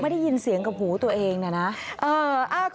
ไม่ได้ยินเสียงกับหูตัวเองเนี่ยนะ